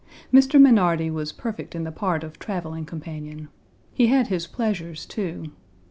Mr. Meynardie was perfect in the part of traveling companion. He had his pleasures, too.